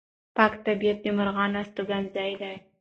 پاک طبیعت د مرغانو استوګنځی دی.